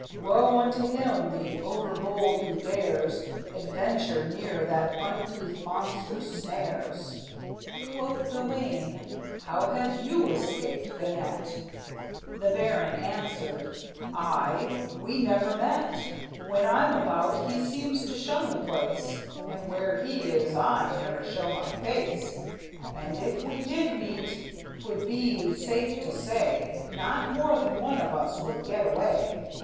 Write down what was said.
Woe unto him, the over bold, who dares Adventure near that uncouth monster's snares!" Quoth Gawayne: "How have you escaped the net?" The baron answered: "I? We never met! When I'm about, he seems to shun the place, And where he is, I never show my face; But if we did meet, 't would be safe to say Not more than one of us would get away!"